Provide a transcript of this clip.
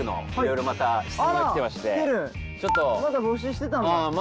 まだ募集してたんだ。